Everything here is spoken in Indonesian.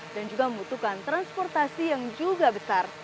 dan juga membutuhkan transportasi yang juga besar